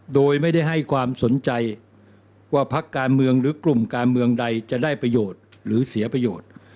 โดยไม่ได้ให้ความสนใจว่าพักการเมืองหรือกลุ่มการเมืองใดจะได้ประโยชน์หรือเสียประโยชน์